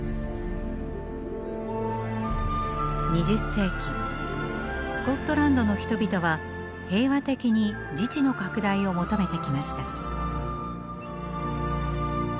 ２０世紀スコットランドの人々は平和的に自治の拡大を求めてきました。